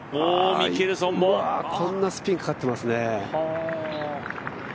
ミケルソンもこんなスピンかかってますね。